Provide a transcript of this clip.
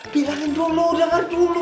bilangin dulu denger dulu bu